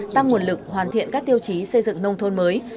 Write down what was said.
tăng nguồn lực hoàn thiện các tiêu chí xây dựng nông thôn mới